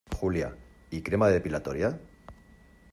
Julia, ¿ y crema depilatoria?